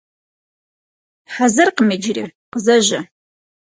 Хьэзыркъым иджыри, къызэжьэ.